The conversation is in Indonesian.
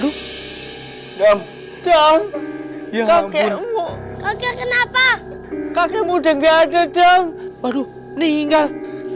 dong dong ya kakekmu kakek kenapa kakek muda nggak ada jam baru nih enggak